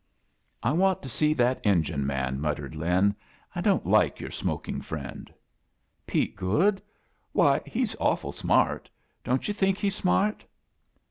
"I want to see that engine man^" mut tered Lin. "I don't like your smokia' friend." "Pete Goode? Why, he's awful smart. Don't you think he's smart